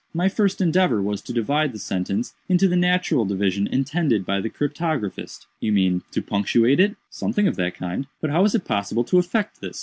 My first endeavor was to divide the sentence into the natural division intended by the cryptographist." "You mean, to punctuate it?" "Something of that kind." "But how was it possible to effect this?"